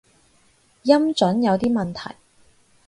音準有啲問題